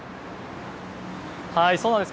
そうなんです。